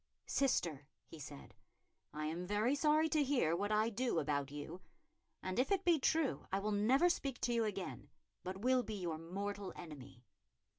"Sister," he said, "I am very sorry to hear what I do about you; and if it be true, I will never speak to you again, but will be your mortal enemy."